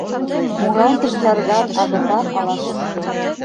Муралтыш чарган агытан ала-кушто